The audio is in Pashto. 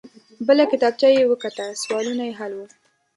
بله کتابچه يې وکته. سوالونه حل وو.